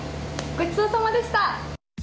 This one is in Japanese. ごちそうさまでした。